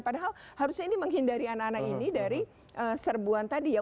padahal harusnya ini menghindari anak anak ini dari serbuan tadi ya